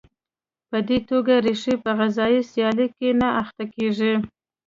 په دې توګه ریښې په غذایي سیالۍ کې نه اخته کېږي.